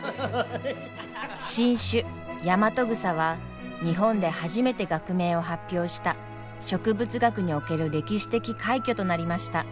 新種ヤマトグサは日本で初めて学名を発表した植物学における歴史的快挙となりました。